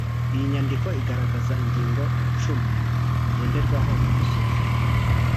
iyi nyandiko iragaragaza ingingo icumi ngenderwaho mu gusuzuma